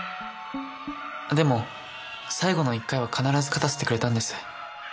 でも最後の１回は必ず勝たせてくれたんです。